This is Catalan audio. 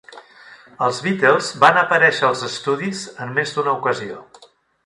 Els Beatles van aparèixer als estudis en més d'una ocasió.